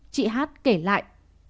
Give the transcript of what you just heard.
chị h kể lại